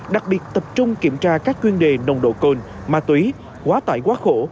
đặc biệt tập trung kiểm tra các chuyên đề nồng độ cồn ma túy quá tải quá khổ